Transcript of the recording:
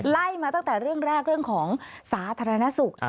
ไล่มาตั้งแต่เรื่องแรกเรื่องของสาธารณสุข